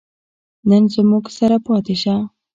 نن زموږ سره پاتې شه